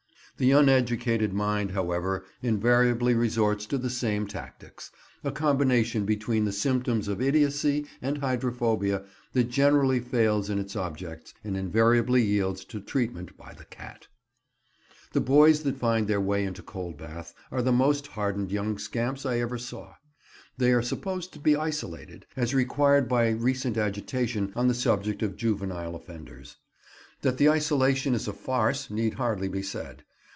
The uneducated mind, however, invariably resorts to the same tactics—a combination between the symptoms of idiocy and hydrophobia that generally fails in its objects, and invariably yields to treatment by the cat. The boys that find their way into Coldbath are the most hardened young scamps I ever saw. They are supposed to be isolated, as required by recent agitation on the subject of juvenile offenders. That the isolation is a farce need hardly be said.